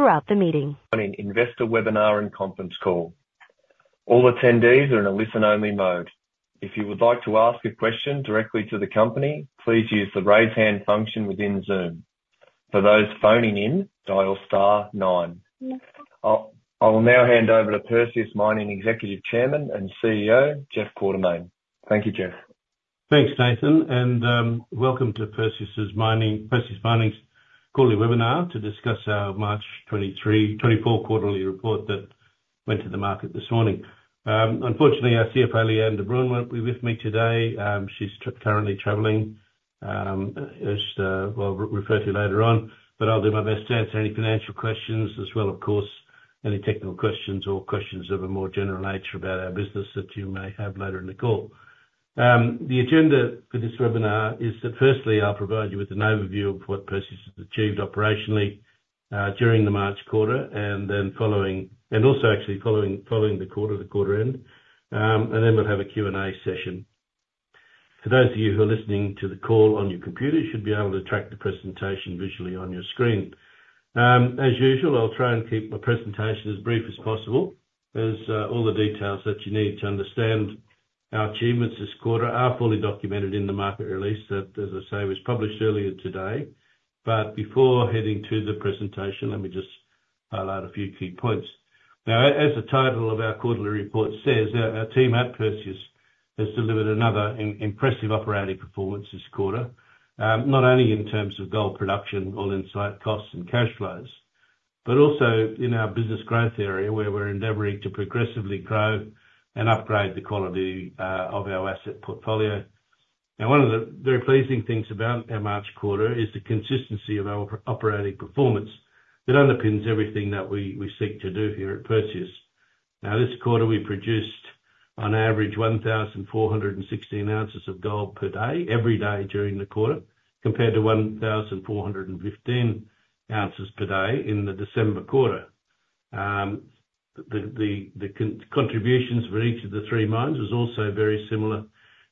Throughout the meeting. An investor webinar and conference call. All attendees are in a listen-only mode. If you would like to ask a question directly to the company, please use the Raise Hand function within Zoom. For those phoning in, dial star nine. I will now hand over to Perseus Mining Executive Chairman and CEO, Jeff Quartermaine. Thank you, Jeff. Thanks, Nathan, and Welcome to Perseus Mining's Quarterly Webinar to discuss our March 2023-2024 quarterly report that went to the market this morning. Unfortunately, our CFO, Lee-Anne de Bruin, won't be with me today. She's currently traveling, as we'll refer to later on, but I'll do my best to answer any financial questions as well, of course, any technical questions or questions of a more general nature about our business that you may have later in the call. The agenda for this webinar is that firstly, I'll provide you with an overview of what Perseus has achieved operationally during the March quarter, and then following and also actually following the quarter end. And then we'll have a Q&A session. For those of you who are listening to the call on your computer, you should be able to track the presentation visually on your screen. As usual, I'll try and keep my presentation as brief as possible, as all the details that you need to understand our achievements this quarter are fully documented in the market release, that, as I say, was published earlier today. But before heading to the presentation, let me just highlight a few key points. Now, as the title of our quarterly report says, our team at Perseus has delivered another impressive operating performance this quarter. Not only in terms of gold production, all-in site costs and cash flows, but also in our business growth area, where we're endeavoring to progressively grow and upgrade the quality of our asset portfolio. Now, one of the very pleasing things about our March quarter is the consistency of our operating performance, that underpins everything that we seek to do here at Perseus. Now, this quarter, we produced on average 1,416 ounces of gold per day, every day during the quarter, compared to 1,415 ounces per day in the December quarter. The contributions for each of the three mines was also very similar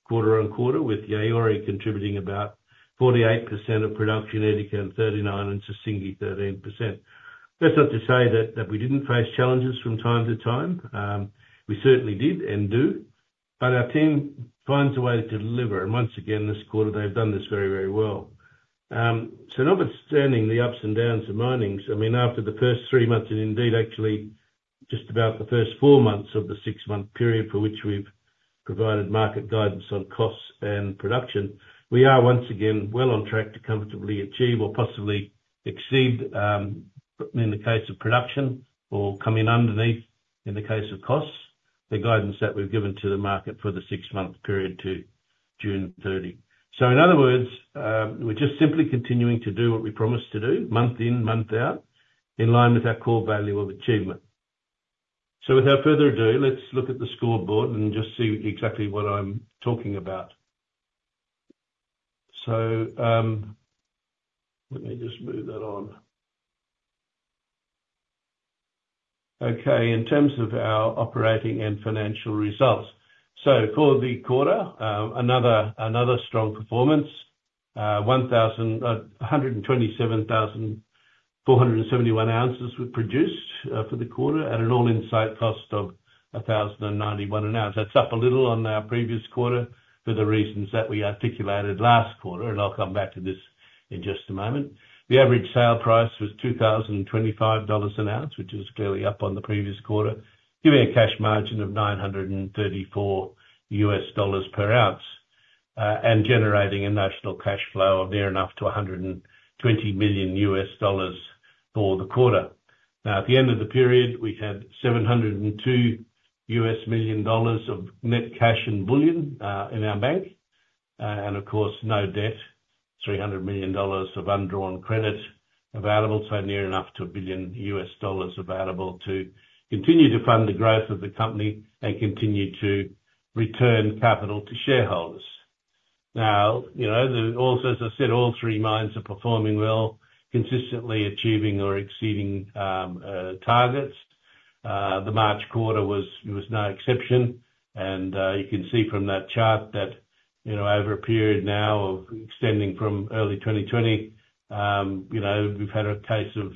quarter-on-quarter, with Yaouré contributing about 48% of production, Edikan 39%, and Sissingué 13%. That's not to say that we didn't face challenges from time to time. We certainly did and do, but our team finds a way to deliver, and once again, this quarter, they've done this very, very well. So notwithstanding the ups and downs of mining, I mean, after the first three months, and indeed actually just about the first four months of the six-month period for which we've provided market guidance on costs and production, we are once again well on track to comfortably achieve or possibly exceed, in the case of production, or come in underneath, in the case of costs, the guidance that we've given to the market for the six-month period to June 30. So in other words, we're just simply continuing to do what we promised to do, month in, month out, in line with our core value of achievement. So without further ado, let's look at the scoreboard and just see exactly what I'm talking about. So, let me just move that on. Okay, in terms of our operating and financial results. So for the quarter, another, another strong performance. 127,471 ounces were produced for the quarter at an all-in site cost of $1,091 an ounce. That's up a little on our previous quarter for the reasons that we articulated last quarter, and I'll come back to this in just a moment. The average sale price was $2,025 an ounce, which is clearly up on the previous quarter, giving a cash margin of $934 per ounce, and generating a notional cash flow of near enough to $120 million for the quarter. Now, at the end of the period, we had $702 million of net cash and bullion in our bank. And of course, no debt, $300 million of undrawn credit available, so near enough to $1 billion available to continue to fund the growth of the company and continue to return capital to shareholders. Now, you know, also, as I said, all three mines are performing well, consistently achieving or exceeding targets. The March quarter was no exception, and you can see from that chart that, you know, over a period now of extending from early 2020, you know, we've had a case of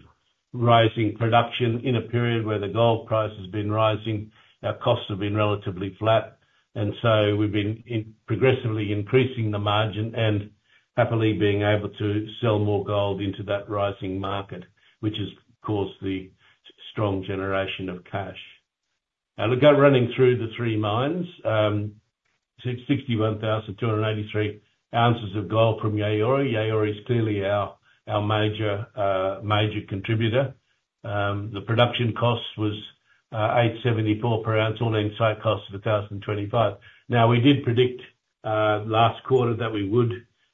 rising production in a period where the gold price has been rising. Our costs have been relatively flat, and so we've been progressively increasing the margin and happily being able to sell more gold into that rising market, which is, of course, the strong generation of cash. We'll go running through the three mines. 661,283 ounces of gold from Yaouré. Yaouré is clearly our major contributor. The production cost was $874 per ounce, all-in site cost of $2,025. Now, we did predict last quarter that we would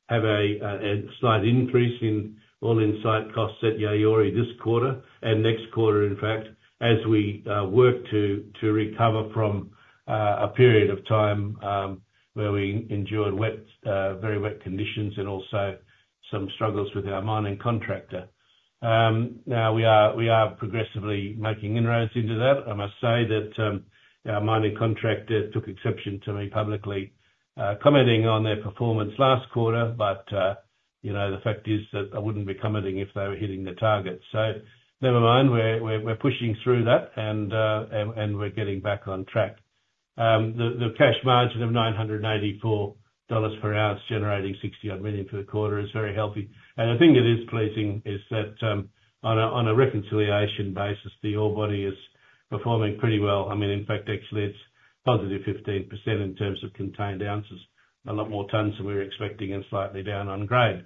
have a slight increase in all-in site costs at Yaouré this quarter and next quarter, in fact, as we work to recover from a period of time where we endured very wet conditions and also some struggles with our mining contractor. Now we are progressively making inroads into that. I must say that, our mining contractor took exception to me publicly commenting on their performance last quarter, but, you know, the fact is that I wouldn't be commenting if they were hitting the target. So never mind, we're pushing through that and we're getting back on track. The cash margin of $984 per ounce, generating $60-odd million for the quarter, is very healthy. And the thing that is pleasing is that, on a reconciliation basis, the ore body is performing pretty well. I mean, in fact, actually it's +15% in terms of contained ounces. A lot more tons than we were expecting, and slightly down on grade.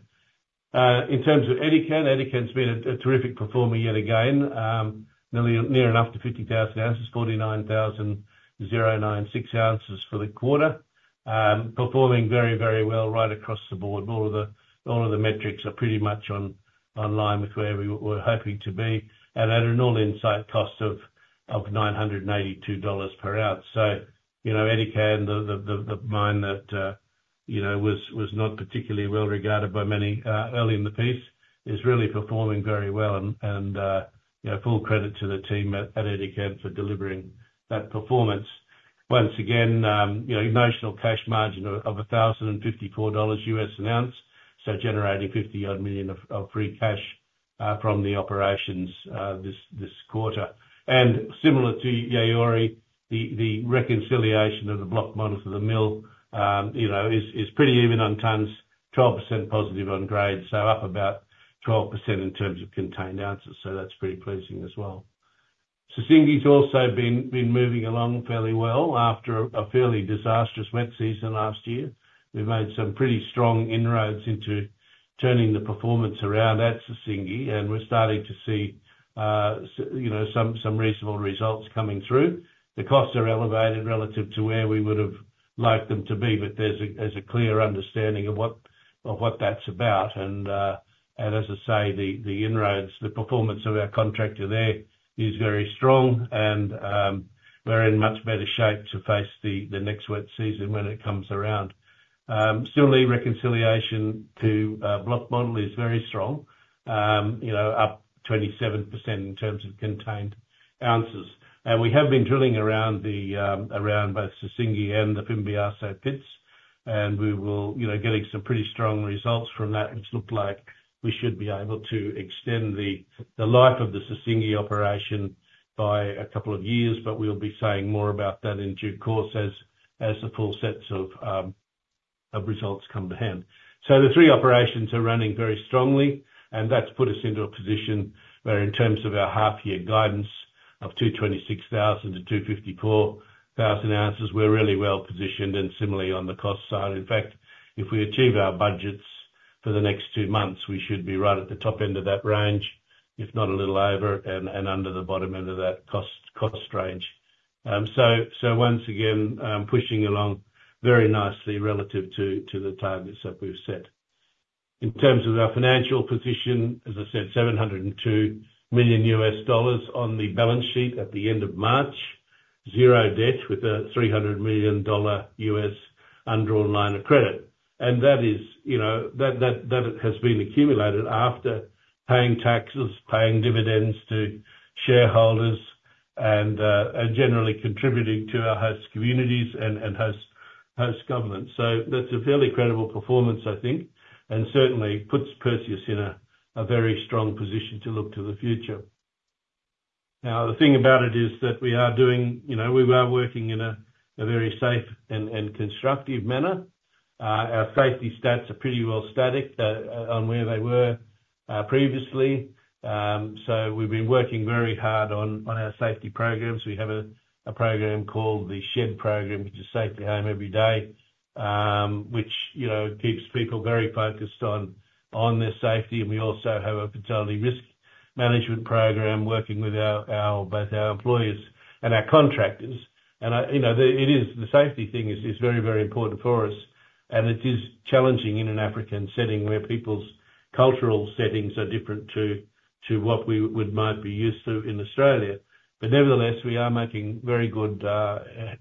In terms of Edikan, Edikan's been a terrific performer yet again. Near enough to 50,000 ounces, 49,096 ounces for the quarter. Performing very, very well right across the board. All of the metrics are pretty much online with where we were hoping to be, and at an all-in site cost of $982 per ounce. So, you know, Edikan, the mine that you know was not particularly well regarded by many early in the piece, is really performing very well. And you know, full credit to the team at Edikan for delivering that performance. Once again, you know, operating cash margin of $1,054 per ounce, so generating 50-odd million of free cash from the operations this quarter. Similar to Yaouré, the reconciliation of the block model for the mill, you know, is pretty even on tons, 12% positive on grade, so up about 12% in terms of contained ounces, so that's pretty pleasing as well. Sissingué's also been moving along fairly well after a fairly disastrous wet season last year. We've made some pretty strong inroads into turning the performance around at Sissingué, and we're starting to see, you know, some reasonable results coming through. The costs are elevated relative to where we would've liked them to be, but there's a clear understanding of what that's about. And as I say, the performance of our contractor there is very strong and we're in much better shape to face the next wet season when it comes around. Still the reconciliation to block model is very strong, you know, up 27% in terms of contained ounces. And we have been drilling around both Sissingué and the Fimbiasso pits. And you know, getting some pretty strong results from that, which look like we should be able to extend the life of the Sissingué operation by a couple of years. But we'll be saying more about that in due course, as the full sets of results come to hand. So the three operations are running very strongly, and that's put us into a position where, in terms of our half-year guidance of 226,000-254,000 ounces, we're really well positioned, and similarly on the cost side. In fact, if we achieve our budgets for the next 2 months, we should be right at the top end of that range, if not a little over, and under the bottom end of that cost range. So once again, pushing along very nicely relative to the targets that we've set. In terms of our financial position, as I said, $702 million on the balance sheet at the end of March. Zero debt, with a $300 million undrawn line of credit. And that is, you know, that has been accumulated after paying taxes, paying dividends to shareholders, and generally contributing to our host communities and host government. So that's a fairly credible performance, I think, and certainly puts Perseus in a very strong position to look to the future. Now, the thing about it is that you know, we are working in a very safe and constructive manner. Our safety stats are pretty well static on where they were previously. So we've been working very hard on our safety programs. We have a program called the SHED program, which is Safety Home Every Day, which, you know, keeps people very focused on their safety. And we also have a fatality risk management program, working with both our employees and our contractors. You know, the safety thing is very, very important for us, and it is challenging in an African setting, where people's cultural settings are different to what we might be used to in Australia. But nevertheless, we are making very good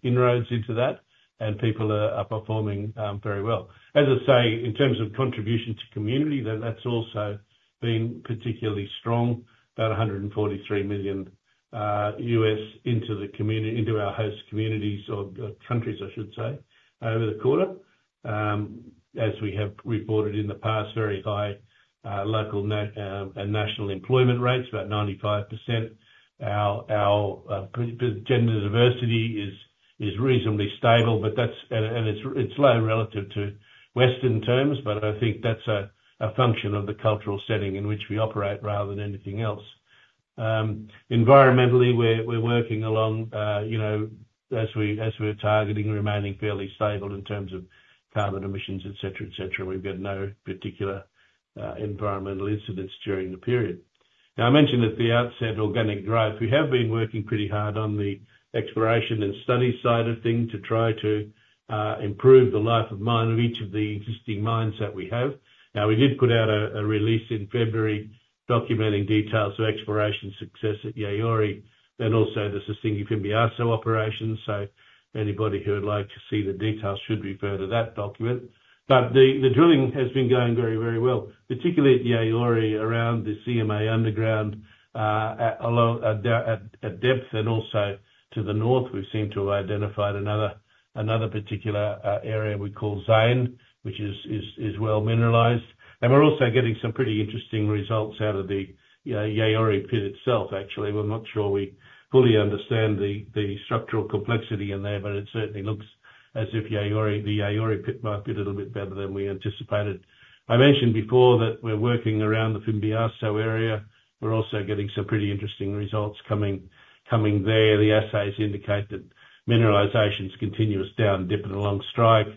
inroads into that, and people are performing very well. As I say, in terms of contribution to community, that's also been particularly strong. About $143 million into the community into our host communities or countries, I should say, over the quarter. As we have reported in the past, very high local and national employment rates, about 95%. Our gender diversity is reasonably stable, but that's and it's low relative to Western terms, but I think that's a function of the cultural setting in which we operate, rather than anything else. Environmentally, we're working along, you know, as we're targeting, remaining fairly stable in terms of carbon emissions, et cetera, et cetera. We've got no particular environmental incidents during the period. Now, I mentioned at the outset, organic growth. We have been working pretty hard on the exploration and study side of things to try to improve the life of mine, of each of the existing mines that we have. Now, we did put out a release in February, documenting details of exploration success at Yaouré, and also the Sissingué Fimbiasso operation. So anybody who would like to see the details should refer to that document. But the drilling has been going very, very well, particularly at Yaouré, around the CMA Underground, at depth, and also to the north, we seem to have identified another particular area we call Zain, which is well mineralized. We're also getting some pretty interesting results out of the, Yaouré pit itself, actually. We're not sure we fully understand the structural complexity in there, but it certainly looks as if Yaouré, the Yaouré pit might be a little bit better than we anticipated. I mentioned before that we're working around the Fimbiasso area. We're also getting some pretty interesting results coming there. The assays indicate that mineralization is continuous down dipping along strike.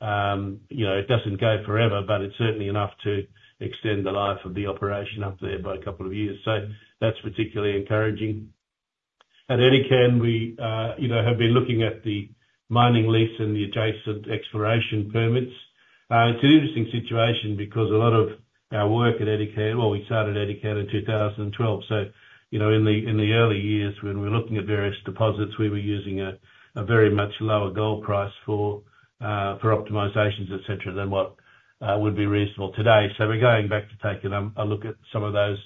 You know, it doesn't go forever, but it's certainly enough to extend the life of the operation up there by a couple of years. So that's particularly encouraging. At Edikan, we, you know, have been looking at the mining lease and the adjacent exploration permits. It's an interesting situation because a lot of our work at Edikan. Well, we started Edikan in 2012, so, you know, in the early years, when we were looking at various deposits, we were using a very much lower gold price for optimizations, et cetera, than what would be reasonable today. So we're going back to taking a look at some of those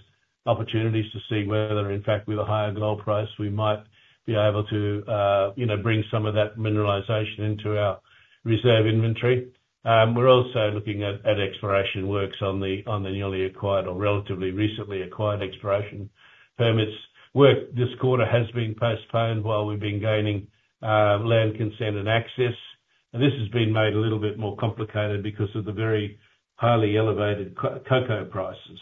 opportunities to see whether, in fact, with a higher gold price, we might be able to, you know, bring some of that mineralization into our reserve inventory. We're also looking at exploration works on the newly acquired, or relatively recently acquired, exploration permits. Work this quarter has been postponed while we've been gaining land consent and access. This has been made a little bit more complicated because of the very highly elevated cocoa prices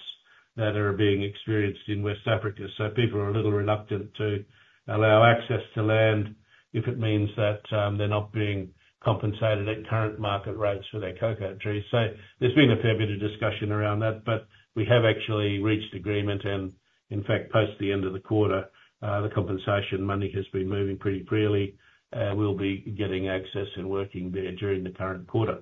that are being experienced in West Africa. So people are a little reluctant to allow access to land if it means that they're not being compensated at current market rates for their cocoa trees. So there's been a fair bit of discussion around that, but we have actually reached agreement, and in fact, post the end of the quarter, the compensation money has been moving pretty freely. We'll be getting access and working there during the current quarter.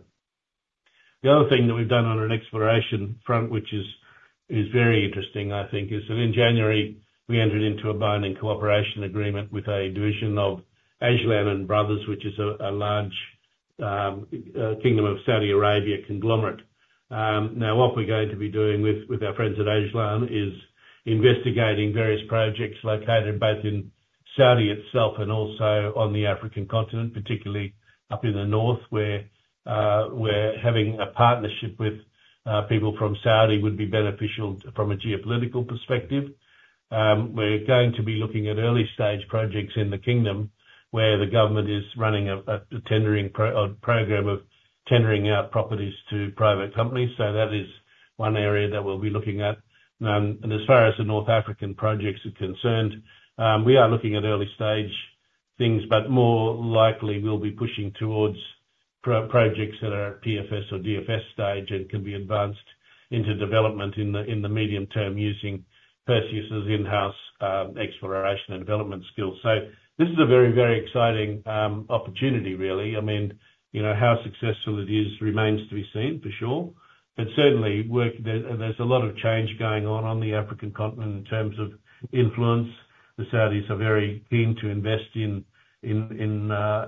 The other thing that we've done on an exploration front, which is very interesting, I think, is that in January, we entered into a binding cooperation agreement with a division of Ajlan & Brothers, which is a large Kingdom of Saudi Arabia conglomerate. Now, what we're going to be doing with our friends at Ajlan is investigating various projects located both in Saudi itself and also on the African continent, particularly up in the north, where having a partnership with people from Saudi would be beneficial from a geopolitical perspective. We're going to be looking at early-stage projects in the Kingdom, where the government is running a tendering program of tendering out properties to private companies. So that is one area that we'll be looking at. And as far as the North African projects are concerned, we are looking at early-stage things, but more likely we'll be pushing towards projects that are at PFS or DFS stage, and can be advanced into development in the medium term, using Perseus's in-house exploration and development skills. So this is a very, very exciting opportunity, really. I mean, you know, how successful it is remains to be seen, for sure. But certainly, there, there's a lot of change going on on the African continent in terms of influence. The Saudis are very keen to invest in, in, in,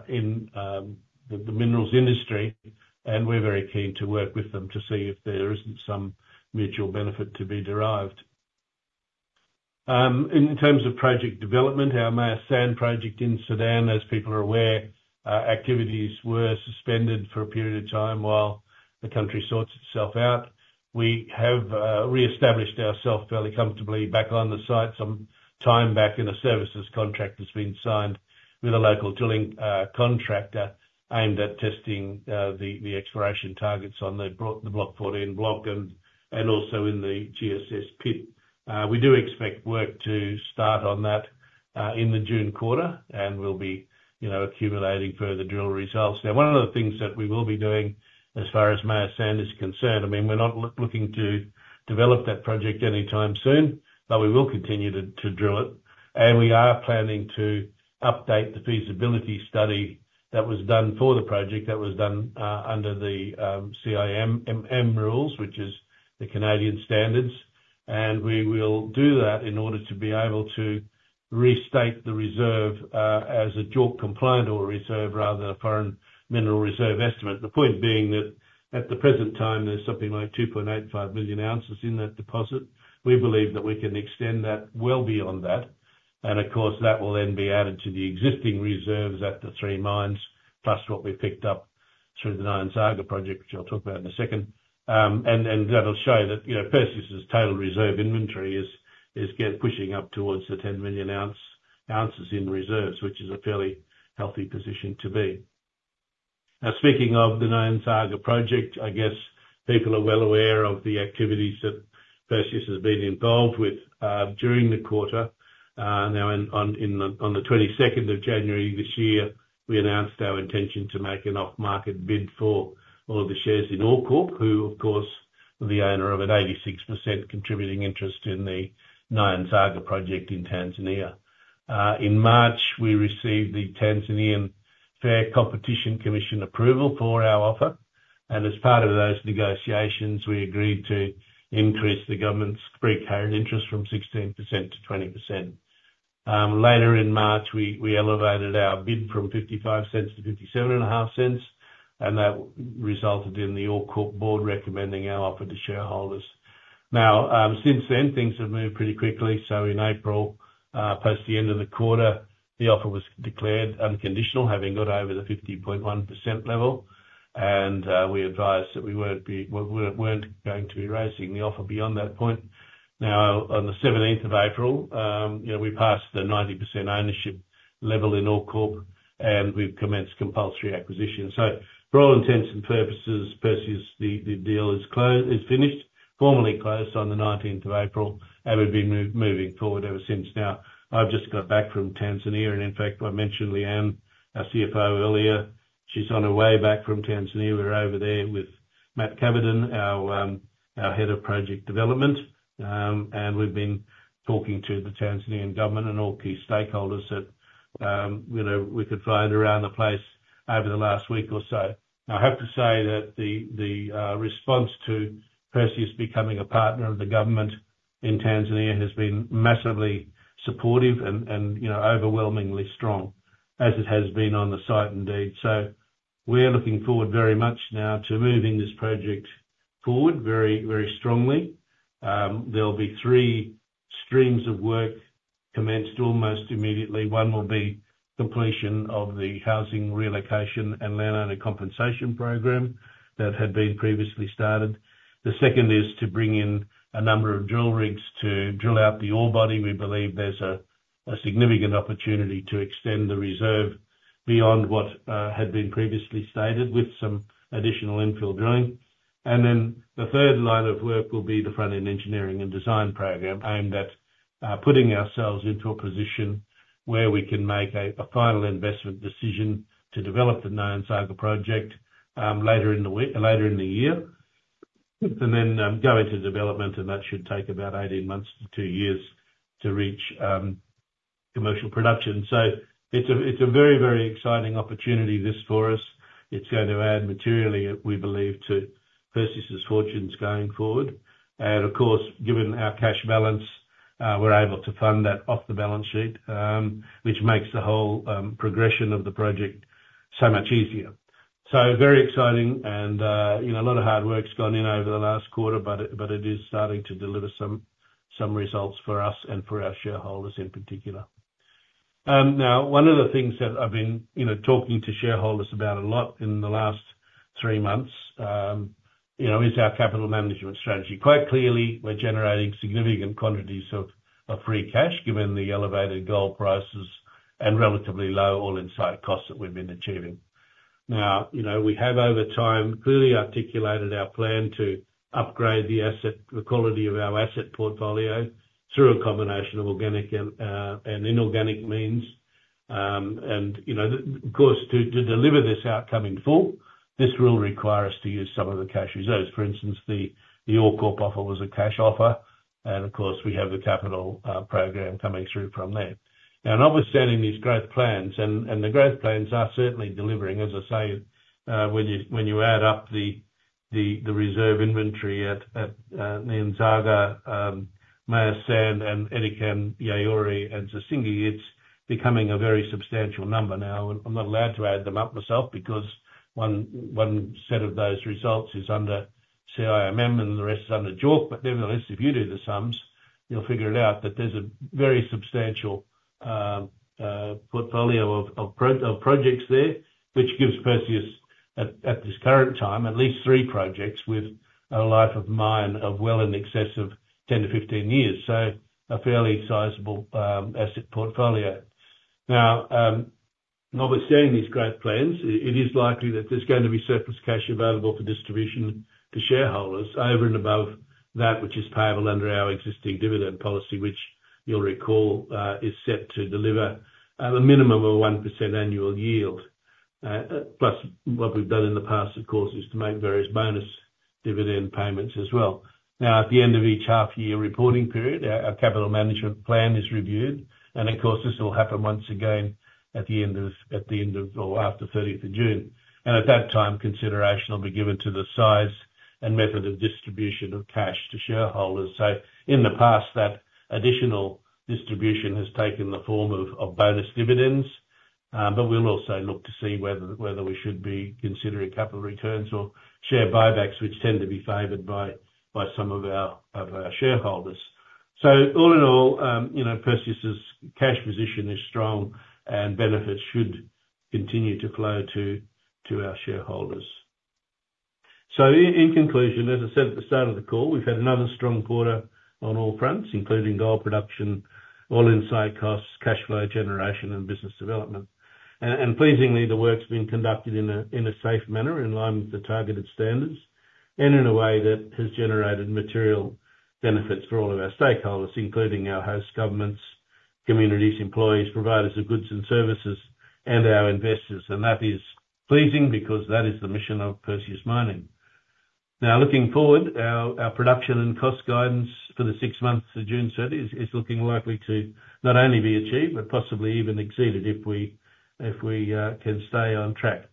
in, the, the minerals industry, and we're very keen to work with them to see if there isn't some mutual benefit to be derived. In terms of project development, our Meyas Sand project in Sudan, as people are aware, activities were suspended for a period of time while the country sorts itself out. We have reestablished ourselves fairly comfortably back on the site some time back, and a services contract has been signed with a local drilling contractor, aimed at testing the exploration targets on the Block 14 block, and also in the GSS pit. We do expect work to start on that in the June quarter, and we'll be, you know, accumulating further drill results. Now, one of the things that we will be doing as far as Meyas Sand is concerned, I mean, we're not looking to develop that project anytime soon, but we will continue to drill it. And we are planning to update the feasibility study that was done for the project, that was done under the CIM rules, which is the Canadian standards. We will do that in order to be able to restate the reserve as a JORC-compliant ore reserve, rather than a foreign mineral reserve estimate. The point being that, at the present time, there's something like 2.85 million ounces in that deposit. We believe that we can extend that well beyond that, and of course, that will then be added to the existing reserves at the three mines, plus what we picked up through the Nyanzaga Project, which I'll talk about in a second. And that'll show that, you know, Perseus' total reserve inventory is pushing up towards 10 million ounces in reserves, which is a fairly healthy position to be. Now, speaking of the Nyanzaga Project, I guess people are well aware of the activities that Perseus has been involved with during the quarter. Now, on the twenty-second of January this year, we announced our intention to make an off-market bid for all of the shares in OreCorp, who, of course, are the owner of an 86% contributing interest in the Nyanzaga Project in Tanzania. In March, we received the Tanzanian Fair Competition Commission approval for our offer, and as part of those negotiations, we agreed to increase the government's free carried interest from 16% to 20%. Later in March, we elevated our bid from 0.55 to 0.575, and that resulted in the OreCorp board recommending our offer to shareholders. Now, since then, things have moved pretty quickly. So in April, post the end of the quarter, the offer was declared unconditional, having got over the 50.1% level, and we advised that we won't be—we weren't going to be raising the offer beyond that point. Now, on the seventeenth of April, you know, we passed the 90% ownership level in OreCorp, and we've commenced compulsory acquisition. So for all intents and purposes, Perseus, the deal is finished, formally closed on the nineteenth of April, and we've been moving forward ever since. Now, I've just got back from Tanzania, and in fact, I mentioned Lee-Anne, our CFO, earlier. She's on her way back from Tanzania. We were over there with Matt Caven, our head of project development, and we've been talking to the Tanzanian government and all key stakeholders that you know, we could find around the place over the last week or so. I have to say that the response to Perseus becoming a partner of the government in Tanzania has been massively supportive and you know, overwhelmingly strong, as it has been on the site indeed. So we're looking forward very much now to moving this project forward very, very strongly. There'll be three streams of work commenced almost immediately. One will be completion of the housing relocation and landowner compensation program that had been previously started. The second is to bring in a number of drill rigs to drill out the ore body. We believe there's a significant opportunity to extend the reserve beyond what had been previously stated with some additional infill drilling. And then the third line of work will be the front-end engineering and design program, aimed at putting ourselves into a position where we can make a final investment decision to develop the Nyanzaga project later in the year. And then go into development, and that should take about 18 months to two years to reach commercial production. So it's a very exciting opportunity, this, for us. It's going to add materially, we believe, to Perseus's fortunes going forward. And of course, given our cash balance, we're able to fund that off the balance sheet, which makes the whole progression of the project so much easier. So very exciting, and you know, a lot of hard work's gone in over the last quarter, but it is starting to deliver some results for us and for our shareholders in particular. Now, one of the things that I've been you know, talking to shareholders about a lot in the last three months, you know, is our capital management strategy. Quite clearly, we're generating significant quantities of free cash, given the elevated gold prices and relatively low all-in site costs that we've been achieving. Now, you know, we have, over time, clearly articulated our plan to upgrade the asset- the quality of our asset portfolio through a combination of organic and inorganic means. And, you know, of course, to deliver this outcome in full, this will require us to use some of the cash reserves. For instance, the OreCorp offer was a cash offer, and of course, we have the capital program coming through from there. Now, notwithstanding these growth plans, and the growth plans are certainly delivering, as I say, when you add up the reserve inventory at Nyanzaga, Meyas Sand, and Edikan, Yaouré, and Sissingué, it's becoming a very substantial number. Now, I'm not allowed to add them up myself, because one set of those results is under CIM and the rest is under JORC. But nevertheless, if you do the sums, you'll figure it out, that there's a very substantial portfolio of projects there, which gives Perseus, at this current time, at least three projects with a life of mine of well in excess of 10-15 years. So a fairly sizable asset portfolio. Now, notwithstanding these growth plans, it is likely that there's going to be surplus cash available for distribution to shareholders over and above that which is payable under our existing dividend policy, which you'll recall, is set to deliver a minimum of 1% annual yield. Plus, what we've done in the past, of course, is to make various bonus dividend payments as well. Now, at the end of each half-year reporting period, our capital management plan is reviewed, and of course, this will happen once again at the end of or after thirtieth of June. And at that time, consideration will be given to the size and method of distribution of cash to shareholders. So in the past, that additional distribution has taken the form of bonus dividends, but we'll also look to see whether we should be considering capital returns or share buybacks, which tend to be favored by some of our shareholders. So all in all, you know, Perseus's cash position is strong, and benefits should continue to flow to our shareholders. So in conclusion, as I said at the start of the call, we've had another strong quarter on all fronts, including gold production, all-in site costs, cash flow generation, and business development. Pleasingly, the work's been conducted in a safe manner, in line with the targeted standards, and in a way that has generated material benefits for all of our stakeholders, including our host governments, communities, employees, providers of goods and services, and our investors. That is pleasing because that is the mission of Perseus Mining. Now, looking forward, our production and cost guidance for the six months to June thirtieth is looking likely to not only be achieved, but possibly even exceeded if we, if we, can stay on track.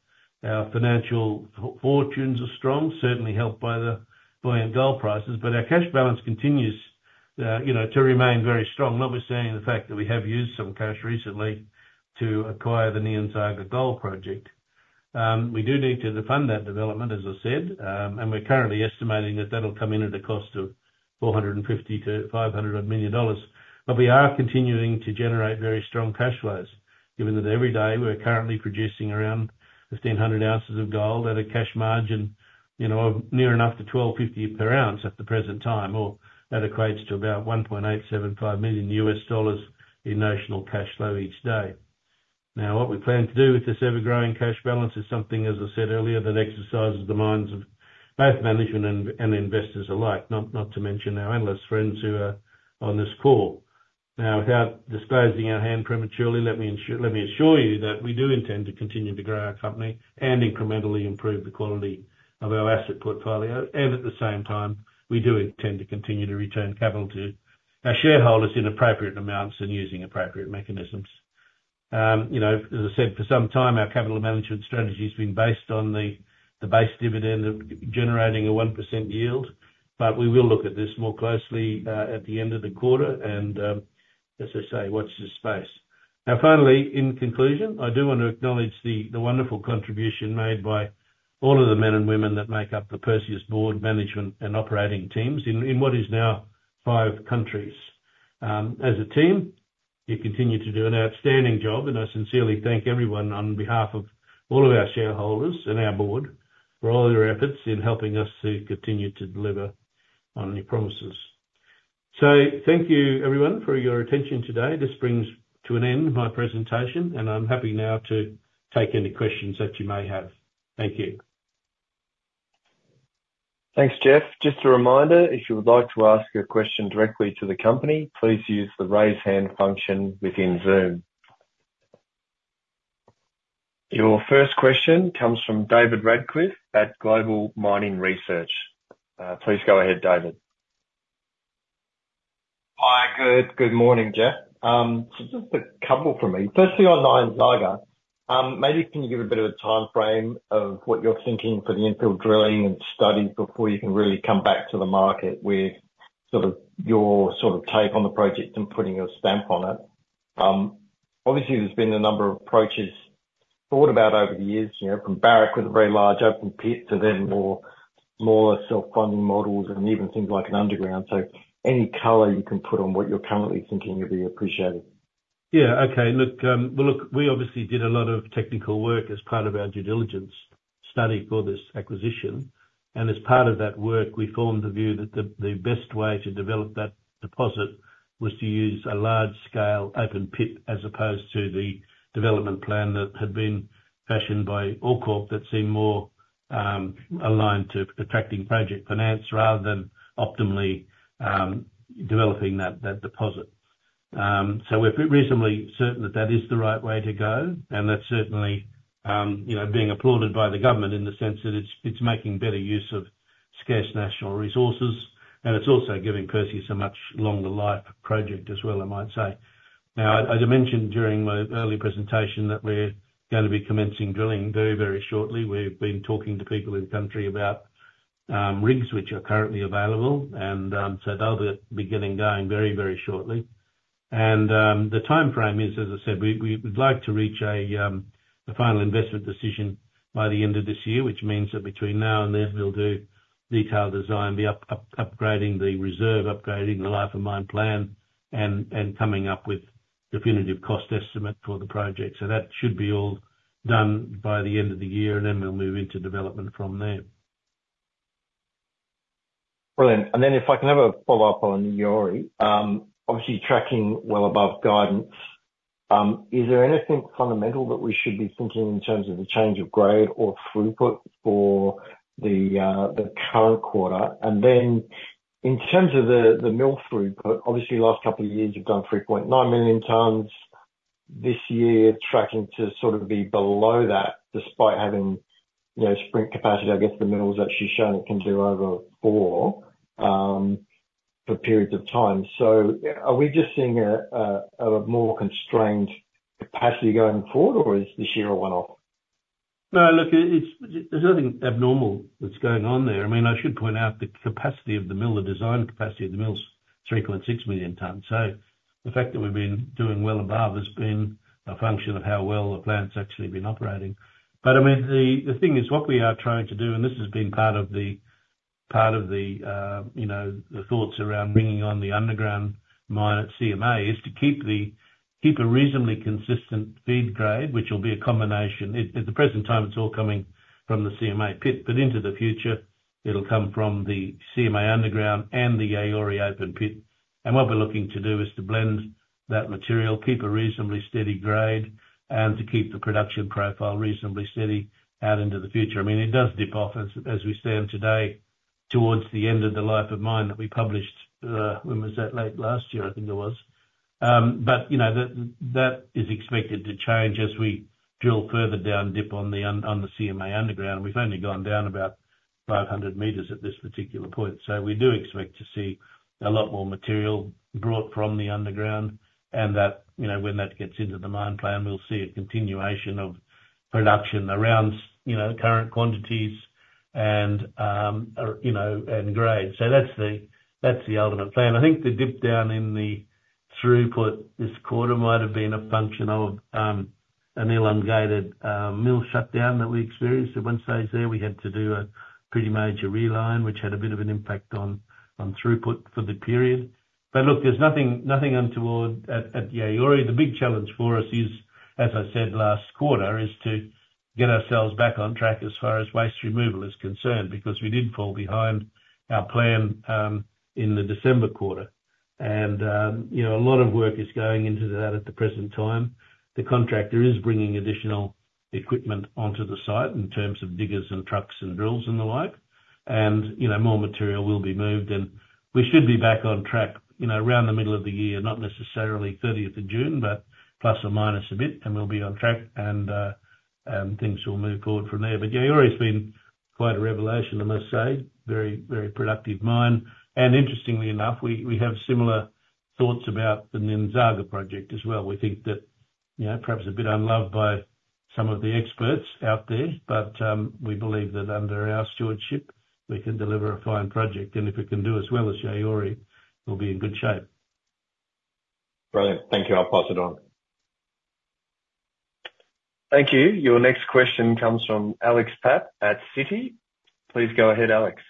Our financial fortunes are strong, certainly helped by the buoyant gold prices, but our cash balance continues, you know, to remain very strong, notwithstanding the fact that we have used some cash recently to acquire the Nyanzaga Gold Project. We do need to fund that development, as I said, and we're currently estimating that that'll come in at a cost of $450 million-$500 million. But we are continuing to generate very strong cash flows, given that every day we're currently producing around 1,500 ounces of gold at a cash margin, you know, of near enough to $1,250 per ounce at the present time, or that equates to about $1.875 million in national cash flow each day. Now, what we plan to do with this ever-growing cash balance is something, as I said earlier, that exercises the minds of both management and investors alike, not to mention our analyst friends who are on this call. Now, without disclosing our hand prematurely, let me assure you that we do intend to continue to grow our company and incrementally improve the quality of our asset portfolio. At the same time, we do intend to continue to return capital to our shareholders in appropriate amounts and using appropriate mechanisms. You know, as I said, for some time, our capital management strategy has been based on the base dividend of generating a 1% yield, but we will look at this more closely, at the end of the quarter, and, as I say, watch this space. Now, finally, in conclusion, I do want to acknowledge the wonderful contribution made by all of the men and women that make up the Perseus Board, management, and operating teams in what is now five countries. As a team, you've continued to do an outstanding job, and I sincerely thank everyone on behalf of all of our shareholders and our board, for all your efforts in helping us to continue to deliver on your promises. Thank you, everyone, for your attention today. This brings to an end my presentation, and I'm happy now to take any questions that you may have. Thank you. Thanks, Jeff. Just a reminder, if you would like to ask a question directly to the company, please use the Raise Hand function within Zoom. Your first question comes from David Radclyffe at Global Mining Research. Please go ahead, David. Hi. Good morning, Jeff. So just a couple from me. Firstly, on Nyanzaga, maybe can you give a bit of a timeframe of what you're thinking for the infill drilling and study before you can really come back to the market with sort of your take on the project and putting your stamp on it? Obviously, there's been a number of approaches thought about over the years, you know, from Barrick with a very large open pit to then more self-funding models and even things like an underground. So any color you can put on what you're currently thinking would be appreciated. Yeah, okay. Look, well, look, we obviously did a lot of technical work as part of our due diligence study for this acquisition. And as part of that work, we formed the view that the, the best way to develop that deposit was to use a large-scale open pit, as opposed to the development plan that had been fashioned by OreCorp, that seemed more, aligned to attracting project finance rather than optimally, developing that, that deposit. So we're reasonably certain that that is the right way to go, and that's certainly, you know, being applauded by the government in the sense that it's, it's making better use of scarce national resources, and it's also giving Perseus a much longer life project as well, I might say. Now, as I mentioned during my early presentation, that we're gonna be commencing drilling very, very shortly. We've been talking to people in country about rigs, which are currently available, and so they'll be getting going very, very shortly. The timeframe is, as I said, we would like to reach a final investment decision by the end of this year, which means that between now and then, we'll do detailed design, upgrading the reserve, upgrading the life of mine plan, and coming up with definitive cost estimate for the project. That should be all done by the end of the year, and then we'll move into development from there. Brilliant! And then, if I can have a follow-up on Yaouré. Obviously, tracking well above guidance, is there anything fundamental that we should be thinking in terms of the change of grade or throughput for the current quarter? And then in terms of the mill throughput, obviously, the last couple of years, you've done 3.9 million tons. This year, tracking to sort of be below that, despite having, you know, sprint capacity, I guess the mill has actually shown it can do over 4 for periods of time. So are we just seeing a more constrained capacity going forward, or is this year a one-off? No, look, it's there's nothing abnormal that's going on there. I mean, I should point out the capacity of the mill, the design capacity of the mill is 3.6 million tons. So the fact that we've been doing well above has been a function of how well the plant's actually been operating. But, I mean, the thing is, what we are trying to do, and this has been part of the part of the, you know, the thoughts around bringing on the underground mine at CMA, is to keep a reasonably consistent feed grade, which will be a combination. At the present time, it's all coming from the CMA pit, but into the future, it'll come from the CMA underground and the Yaouré open pit. And what we're looking to do is to blend that material, keep a reasonably steady grade, and to keep the production profile reasonably steady out into the future. I mean, it does dip off as we stand today, towards the end of the life of mine that we published. When was that? Late last year, I think it was. But, you know, that is expected to change as we drill further down, dip on the CMA Underground. We've only gone down about 500 meters at this particular point, so we do expect to see a lot more material brought from the underground, and that, you know, when that gets into the mine plan, we'll see a continuation of production around, you know, current quantities and, or, you know, and grade. So that's the, that's the ultimate plan. I think the dip down in throughput this quarter might have been a function of an elongated mill shutdown that we experienced at Sissingué there. We had to do a pretty major reline, which had a bit of an impact on, on throughput for the period. But look, there's nothing, nothing untoward at, at Yaouré. The big challenge for us is, as I said last quarter, to get ourselves back on track as far as waste removal is concerned, because we did fall behind our plan in the December quarter. You know, a lot of work is going into that at the present time. The contractor is bringing additional equipment onto the site in terms of diggers and trucks and drills and the like, and, you know, more material will be moved, and we should be back on track, you know, around the middle of the year. Not necessarily thirtieth of June, but plus or minus a bit, and we'll be on track, and, things will move forward from there. But Yaouré's been quite a revelation, I must say. Very, very productive mine. And interestingly enough, we have similar thoughts about the Nyanzaga project as well. We think that, you know, perhaps a bit unloved by some of the experts out there, but, we believe that under our stewardship, we can deliver a fine project. And if we can do as well as Yaouré, we'll be in good shape. Brilliant. Thank you. I'll pass it on. Thank you. Your next question comes from Alex Park at Citi. Please go ahead, Alex.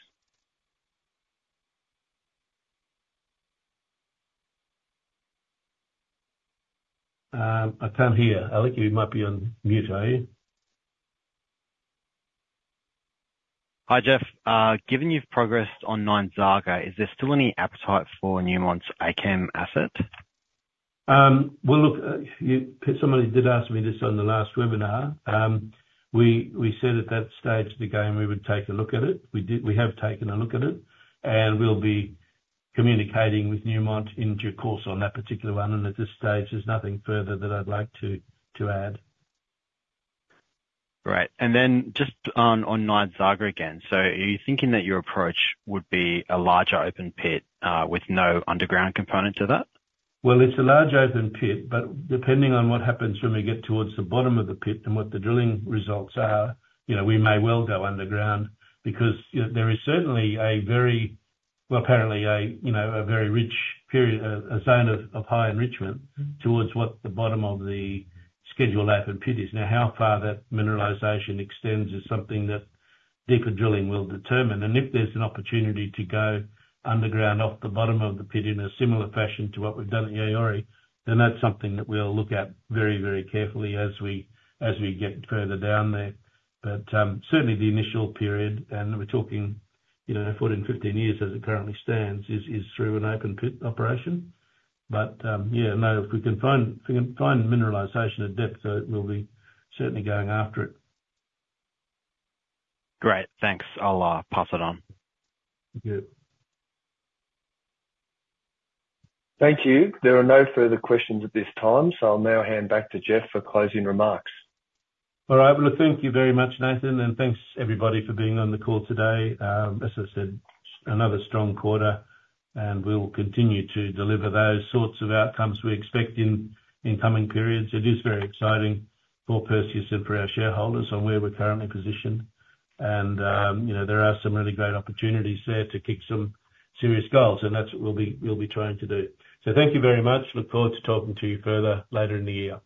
I can't hear, Alex. You might be on mute. Are you? Hi, Jeff. Given you've progressed on Nyanzaga, is there still any appetite for Newmont's Akyem asset? Well, look, somebody did ask me this on the last webinar. We said at that stage of the game, we would take a look at it. We have taken a look at it, and we'll be communicating with Newmont in due course on that particular one. At this stage, there's nothing further that I'd like to add. Right. And then just on Nyanzaga again. So are you thinking that your approach would be a larger open pit, with no underground component to that? Well, it's a large open pit, but depending on what happens when we get towards the bottom of the pit and what the drilling results are, you know, we may well go underground. Because, you know, there is certainly a very-- well, apparently a, you know, a very rich period, a zone of, of high enrichment towards what the bottom of the scheduled open pit is. Now, how far that mineralization extends is something that deeper drilling will determine. And if there's an opportunity to go underground off the bottom of the pit in a similar fashion to what we've done at Yaouré, then that's something that we'll look at very, very carefully as we, as we get further down there. But, certainly the initial period, and we're talking, you know, 14, 15 years as it currently stands, is, is through an open pit operation. But, yeah, no, if we can find, if we can find mineralization at depth, so we'll be certainly going after it. Great! Thanks. I'll pass it on. Thank you. Thank you. There are no further questions at this time, so I'll now hand back to Jeff for closing remarks. All right. Well, thank you very much, Nathan, and thanks, everybody for being on the call today. As I said, another strong quarter, and we will continue to deliver those sorts of outcomes we expect in coming periods. It is very exciting for Perseus and for our shareholders on where we're currently positioned. And, you know, there are some really great opportunities there to kick some serious goals, and that's what we'll be trying to do. So thank you very much. Look forward to talking to you further later in the year.